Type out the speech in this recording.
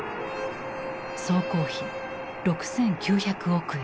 総工費６，９００億円。